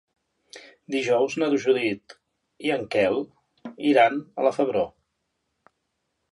Dijous na Judit i en Quel iran a la Febró.